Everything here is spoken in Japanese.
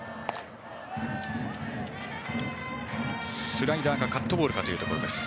スライダーかカットボールかというところ。